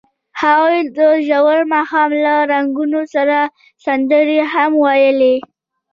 هغوی د ژور ماښام له رنګونو سره سندرې هم ویلې.